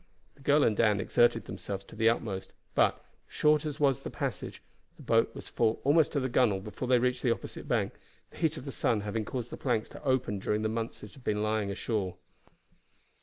The girl and Dan exerted themselves to the utmost; but, short as was the passage, the boat was full almost to the gunwale before they reached the opposite bank, the heat of the sun having caused the planks to open during the months it had been lying ashore.